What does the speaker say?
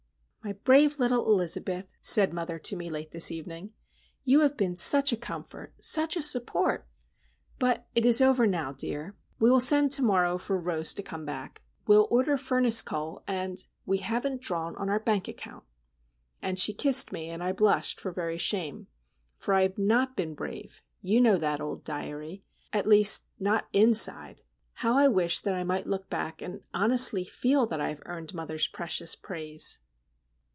"My brave little Elizabeth," said mother to me late this evening, "you have been such a comfort, such a support! But it is over now, dear. We will send to morrow for Rose to come back. We will order furnace coal, and—we haven't drawn on our bank account!" Then she kissed me, and I blushed for very shame. For I have not been brave,—you know that, old diary,—at least not inside. How I wish that I might look back, and honestly feel that I have earned mother's precious praise!